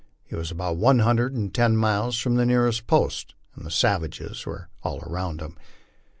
He was about one hundred and ten miles from the nearest post, and savages we're all around him.